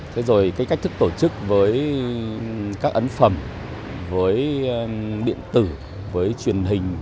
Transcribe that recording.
thế rồi cái cách thức tổ chức với các ấn phẩm với điện tử với truyền hình